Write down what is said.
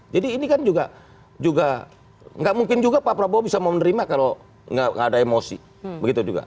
jadi ini kan juga gak mungkin juga pak prabowo bisa mau menerima kalau gak ada emosi